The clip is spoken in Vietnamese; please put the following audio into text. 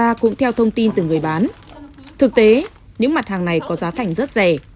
ngoài ra cũng theo thông tin từ người bán thực tế những mặt hàng này có giá thành rất rẻ